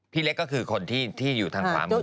พี่เล็กก็คือคนที่อยู่ทางขวามือ